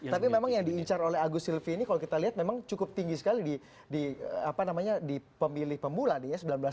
tapi memang yang diincar oleh agus silvi ini kalau kita lihat memang cukup tinggi sekali di pemilih pemula nih ya